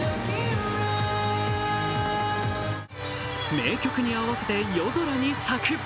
名曲に合わせて夜空に咲く。